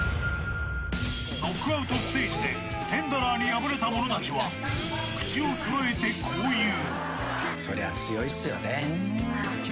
ノックアウトステージでテンダラーに敗れた者たちは口をそろえてこう言う。